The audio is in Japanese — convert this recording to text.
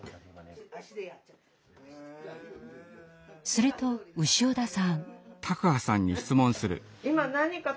すると潮田さん。